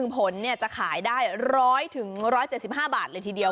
ผลจะขายได้๑๐๐๑๗๕บาทเลยทีเดียว